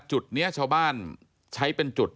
จุดนี้ชาวบ้านใช้เป็นจุด